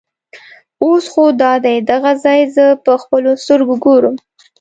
اوس خو دادی دغه ځای زه په خپلو سترګو ګورم.